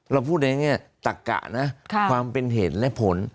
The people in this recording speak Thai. เราพูดในแง่ตักกะนะความเป็นเหตุและผล